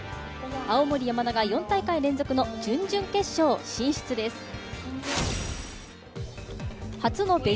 青森山田が４大会連続の準々決勝進出です。